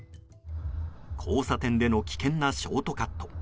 交差点での危険なショートカット。